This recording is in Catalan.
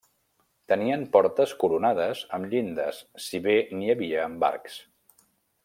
Tenien portes coronades amb llindes, si bé n'hi havia amb arcs.